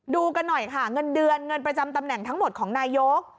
ดูกันหน่อยค่ะเงินเดือนเงินประจำตำแหน่งทั้งหมดของนายก